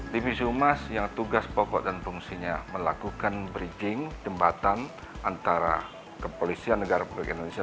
divisi humas yang tugas pokok dan fungsinya melakukan bridging jembatan antara kepolisian negara republik indonesia